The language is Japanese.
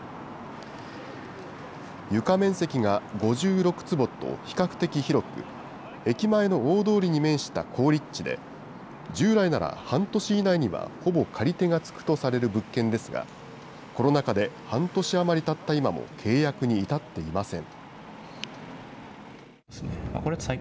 床面積が５６坪と比較的広く、駅前の大通りに面した好立地で、従来なら半年以内にはほぼ借り手がつくとされる物件ですが、コロナ禍で半年余りたった今も契約に至っていません。